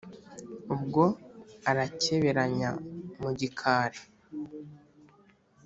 ubwo arakeberanya mu gikali,